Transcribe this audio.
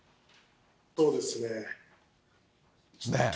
そうですね。